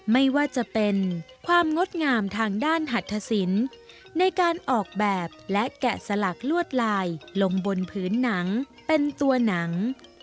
ไม่ว่าจะเป็นความงดงามทางด้านหัตถสินในการออกแบบและแกะสลักลวดลายลงบนผืนหนังเป็นตัวหนัง